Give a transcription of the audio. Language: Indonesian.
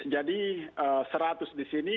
jadi seratus di sini